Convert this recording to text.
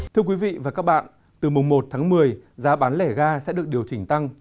thưa quý vị và các bạn từ mùng một tháng một mươi giá bán lẻ ga sẽ được điều chỉnh tăng